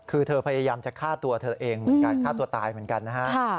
คือเธอพยายามจะฆ่าตัวเธอเองเหมือนกันฆ่าตัวตายเหมือนกันนะฮะ